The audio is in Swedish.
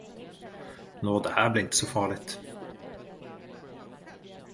Nå, det här blir inte så farligt.